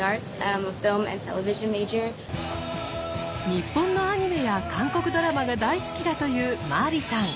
日本のアニメや韓国ドラマが大好きだというマーリさん。